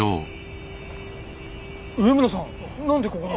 上村さん何でここに？